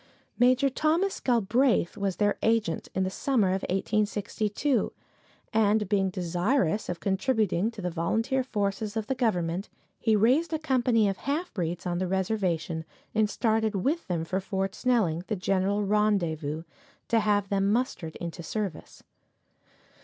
Major Thomas Galbraith was their agent in the summer of 1862, and being desirous of contributing to the volunteer forces of the government, he raised a company of half breeds on the reservation and started with them for Fort Snelling, the general rendezvous, to have them mustered into service.